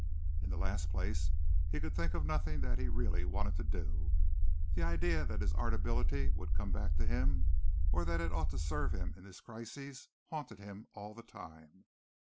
In the last place, he could think of nothing that he really wanted to do the idea that his art ability would come back to him or that it ought to serve him in this crisis, haunting him all the time.